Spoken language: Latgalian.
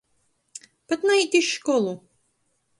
Pat naīt iz školu.